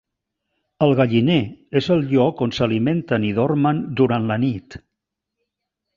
El galliner és el lloc on s'alimenten i dormen durant la nit.